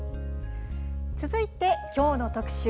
続いて、きょうの特集